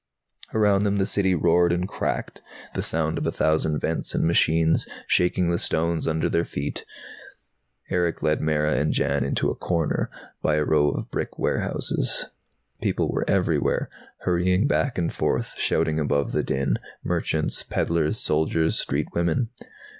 Around them the City roared and cracked, the sound of a thousand vents and machines, shaking the stones under their feet. Erick led Mara and Jan into a corner, by a row of brick warehouses. People were everywhere, hurrying back and forth, shouting above the din, merchants, peddlers, soldiers, street women.